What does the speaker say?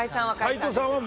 斎藤さんは？